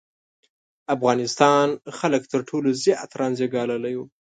افغانستان خلک تر ټولو زیات رنځ یې ګاللی و.